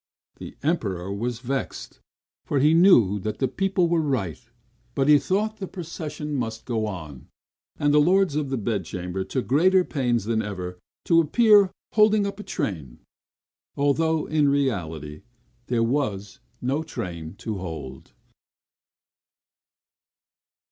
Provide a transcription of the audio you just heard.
The Emperor was vexed, for he knew that the people were right; but he thought the procession must go on now! And the lords of the bedchamber took greater pains than ever, to appear holding up a train, although, in reality, there was no train to hold.